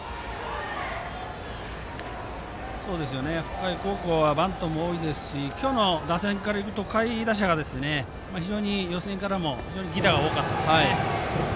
北海高校はバントも多いですし今日の打線から行くと下位打者が非常に予選からも犠打が多かったですよね。